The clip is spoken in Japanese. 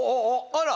あら！